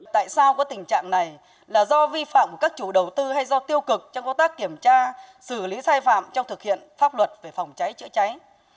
tại sao có tình trạng này là do vi phạm của các chủ đầu tư hay do tiêu cực trong công tác kiểm tra xử lý sai phạm trong thực hiện pháp luật về phòng cháy chữa cháy